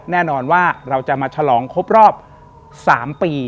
แน่นอนว่าเราจะมาฉลองครบรอบ๓ปี